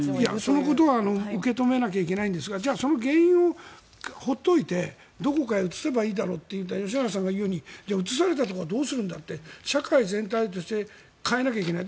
そのことは受け止めなきゃいけないんですがその原因を放っておいてどこかへ移せばいいだろうって吉永さんが言うように移されたところはどうするんだって社会全体で変えないといけない。